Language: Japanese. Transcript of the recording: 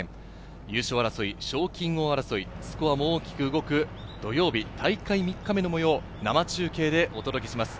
優勝争い、賞金王争い、スコアも大きく動く土曜日・大会３日目の模様を生中継でお届けします。